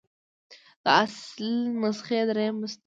د اصل نسخې دریم استنساخ دی.